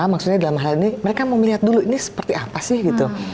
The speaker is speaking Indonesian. maksudnya dalam hal ini mereka mau melihat dulu ini seperti apa sih gitu